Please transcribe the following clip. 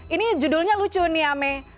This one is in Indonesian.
ini judulnya lucu nih ame